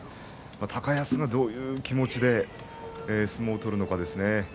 高安が、どういう気持ちで相撲を取るのかですね。